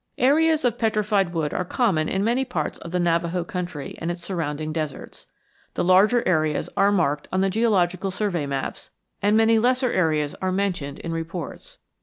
Areas of petrified wood are common in many parts of the Navajo country and its surrounding deserts. The larger areas are marked on the Geological Survey maps, and many lesser areas are mentioned in reports.